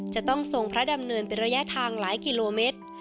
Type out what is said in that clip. จะต้องทรงพระดำเนินเป็นระยะทางหลายกิโลเมตร